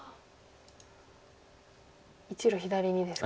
１路左にですか。